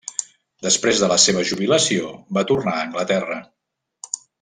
Després de la seva jubilació va tornar a Anglaterra.